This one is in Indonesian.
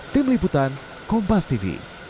tim liputan kompas tv